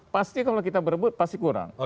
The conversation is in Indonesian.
pasti kalau kita berebut pasti kurang